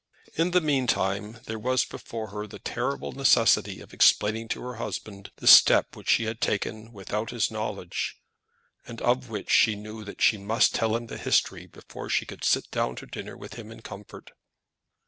In the meantime there was before her the terrible necessity of explaining to her husband the step which she had taken without his knowledge, and of which she knew that she must tell him the history before she could sit down to dinner with him in comfort.